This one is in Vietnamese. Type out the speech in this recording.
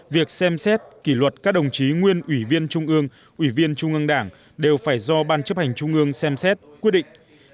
việc xem xét kỷ luật các đồng chí nguyên ủy viên trung ương ủy viên trung ương đảng đều phải do ban chấp hành trung ương xem xét quyết định